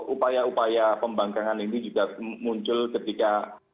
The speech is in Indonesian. upaya upaya pembangkangan ini juga muncul ketika